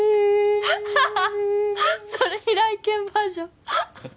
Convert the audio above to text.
ハハッそれ平井堅バージョン